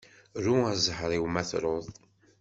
Ru a zzheṛ-iw ma truḍ.